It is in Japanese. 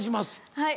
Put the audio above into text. はい。